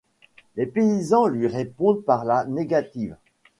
Les paysans lui répondent par la négative.